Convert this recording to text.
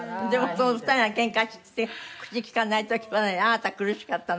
その２人がケンカして口利かない時はあなた苦しかったの？